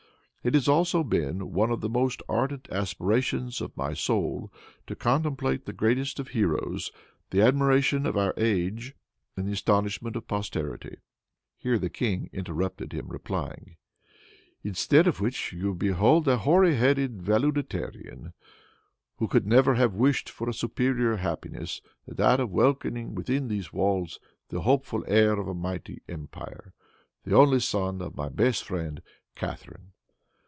It has also been one of the most ardent aspirations of my soul to contemplate the greatest of heroes, the admiration of our age and the astonishment of posterity." Here the king interrupted him, replying, "Instead of which, you behold a hoary headed valitudinarian, who could never have wished for a superior happiness than that of welcoming within these walls the hopeful heir of a mighty empire, the only son of my best friend, Catharine."